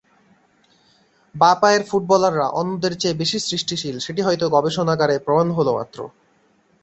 বাঁ পায়ের ফুটবলাররা অন্যদের চেয়ে বেশি সৃষ্টিশীল—সেটি হয়তো গবেষণাগারে প্রমাণ হলো মাত্র।